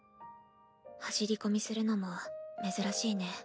走り込みするのも珍しいね。